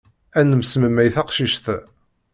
Ad nesmemmay taqcict-a.